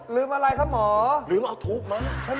ลืมอะไรครับหมอลืมเอาถูกมั้ง